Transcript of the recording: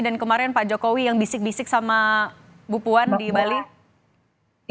dan kemarin pak jokowi yang bisik bisik sama bu puan di bali